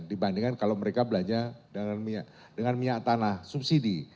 dibandingkan kalau mereka belanja dengan minyak tanah subsidi